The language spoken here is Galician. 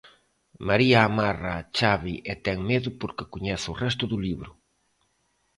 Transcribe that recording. María amarra a chave e ten medo porque coñece o resto do libro.